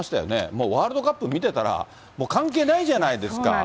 もうワールドカップ見てたら、もう関係ないじゃないですか。